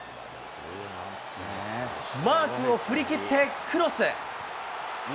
マークを振り切ってクロス。